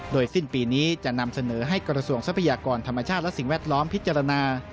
โดยสิ้นปีนี้จะนำเสนอให้กระทรวงทรัพยากรธรรมชาติและสิ่งแวดล้อมพิจารณา